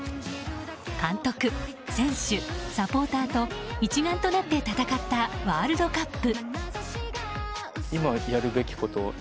監督、選手、サポーターと一丸となって戦ったワールドカップ。